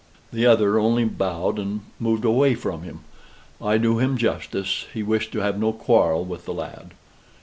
The other only bowed, and moved away from him. I do him justice, he wished to have no quarrel with the lad.